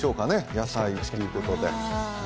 野菜ということで。